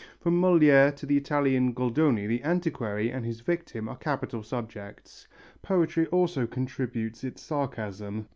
From Molière to the Italian Goldoni the antiquary and his victim are capital subjects. Poetry also contributes its sarcasm.